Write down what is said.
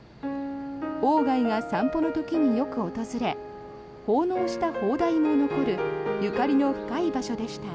鴎外が散歩の時によく訪れ奉納した砲台も残るゆかりの深い場所でした。